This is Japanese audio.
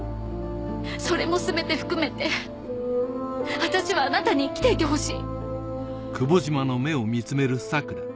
それもすべて含めて私はあなたに生きていてほしい。